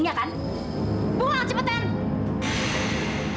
ini karena terus